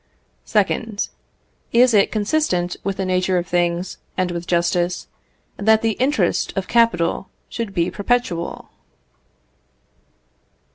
2nd. Is it consistent with the nature of things, and with justice, that the interest of capital should be perpetual?